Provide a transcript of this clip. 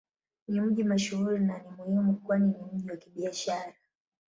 Ni mji mashuhuri na ni muhimu kwani ni mji wa Kibiashara.